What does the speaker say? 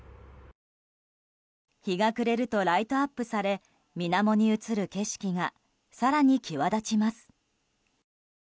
日が暮れるとライトアップされ水面に映る景色が更に際立ちます。